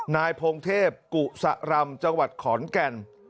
นายพงเทพกุศรำจังหวัดขอนแก่น